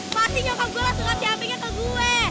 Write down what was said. masih nyokap gue langsung kasih hpnya ke gue